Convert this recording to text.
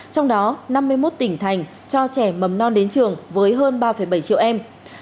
trong đó năm mươi một tỉnh thành cho trẻ mầm non đến trường với hơn ba bảy triệu em